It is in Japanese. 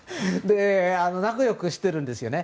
仲良くしてるんですよね。